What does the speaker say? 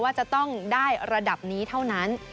ว่าจะต้องได้ระดับนี้เท่านั้น